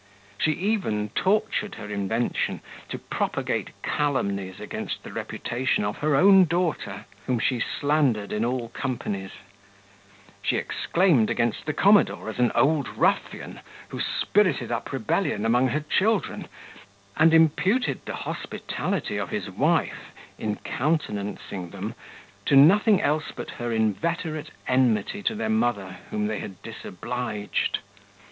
She even tortured her invention to propagate calumnies against the reputation of her own daughter, whom she slandered in all companies; she exclaimed against the commodore as an old ruffian, who spirited up rebellion among her children, and imputed the hospitality of his wife, in countenancing them, to nothing else but her inveterate enmity to their mother, whom they had disobliged.